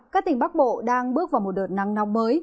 các tỉnh bắc bộ đang bước vào một đợt nắng nóng mới